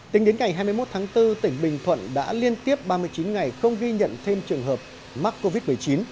tính đến ngày hai mươi một tháng bốn tỉnh bình thuận đã liên tiếp ba mươi chín ngày không ghi nhận thêm trường hợp mắc covid một mươi chín